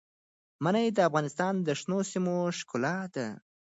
منی د افغانستان د شنو سیمو ښکلا ده.